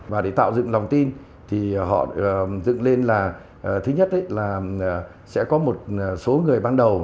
và để tạo dựng lòng tin thì họ dựng lên là thứ nhất là sẽ có một số người ban đầu